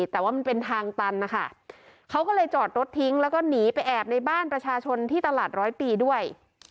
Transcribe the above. แต่ว่ามันเป็นทางตันนะคะเขาก็เลยจอดรถทิ้งแล้วก็หนีไปแอบในบ้านประชาชนที่ตลาดร้อยปีด้วย